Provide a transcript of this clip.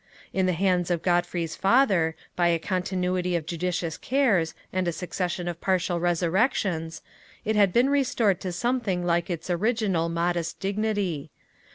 In the hands of Godfrey's father, by a continuity of judicious cares, and a succession of partial resurrections, it had been restored to something like its original modest dignity.